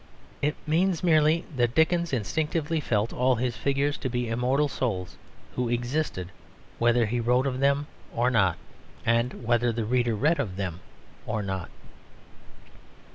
It means merely that Dickens instinctively felt all his figures to be immortal souls who existed whether he wrote of them or not, and whether the reader read of them or not.